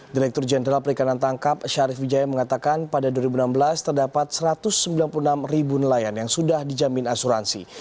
direktur jenderal perikanan tangkap syarif wijaya mengatakan pada dua ribu enam belas terdapat satu ratus sembilan puluh enam ribu nelayan yang sudah dijamin asuransi